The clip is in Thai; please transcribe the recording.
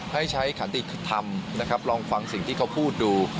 ให้ใช้ขติธรรมนะครับลองฟังสิ่งที่เขาพูดดู